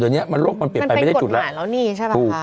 ใช่มันเป็นกฎหลายแล้วนี่ใช่ป่ะคะ